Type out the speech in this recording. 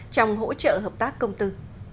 trong hỗ trợ hợp tác công tư